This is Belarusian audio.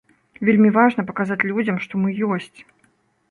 Вельмі важна паказаць людзям, што мы ёсць.